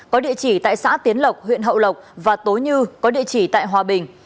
có địa chỉ tại xã tiến lộc huyện hậu lộc và tối như có địa chỉ tại hòa bình